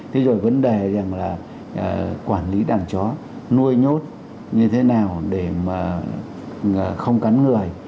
thế rồi vấn đề rằng là quản lý đàn chó nuôi nhốt như thế nào để mà không cắn người